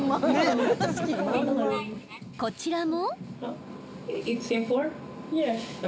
こちらも。